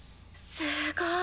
すごい。